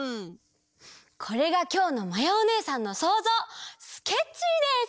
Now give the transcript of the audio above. これがきょうのまやおねえさんのそうぞうスケッチーです！